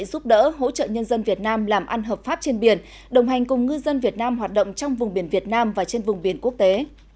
giúp đỡ hỗ trợ nhân dân việt nam làm ăn hợp pháp trên biển đồng hành cùng ngư dân việt nam hoạt động trong vùng biển việt nam và trên vùng biển quốc tế